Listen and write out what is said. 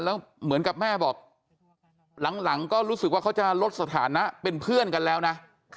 แล้วเหมือนกับแม่บอกหลังก็รู้สึกว่าเขาจะลดสถานะเป็นเพื่อนกันแล้วนะ